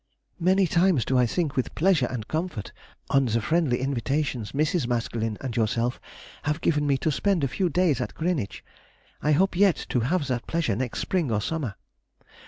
Many times do I think with pleasure and comfort on the friendly invitations Mrs. Maskelyne and yourself have given me to spend a few days at Greenwich. I hope yet to have that pleasure next spring or summer.